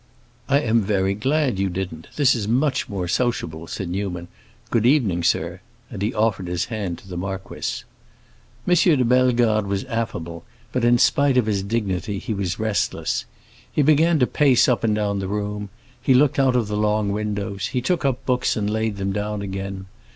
"I am very glad you didn't; this is much more sociable," said Newman. "Good evening, sir," and he offered his hand to the marquis. M. de Bellegarde was affable, but in spite of his dignity he was restless. He began to pace up and down the room, he looked out of the long windows, he took up books and laid them down again.